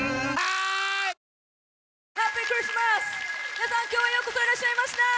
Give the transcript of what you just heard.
皆さん今日はようこそいらっしゃいました！